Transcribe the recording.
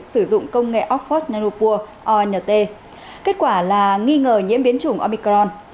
sử dụng công nghệ oxford nanopur ont kết quả là nghi ngờ nhiễm biến chủng omicron